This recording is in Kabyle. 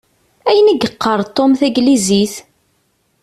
Ayen i yeqqar Tom taglizit?